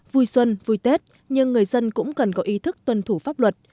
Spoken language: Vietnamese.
vui xuân vui tết nhưng người dân cũng cần có ý thức tuân thủ pháp luật